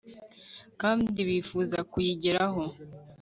kandi bifuza kuyigeraho